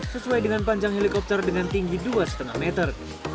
sesuai dengan panjang helikopter dengan tinggi dua lima meter